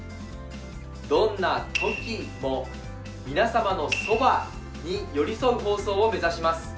どんなトキも皆様のそばに寄り添う放送を目指します。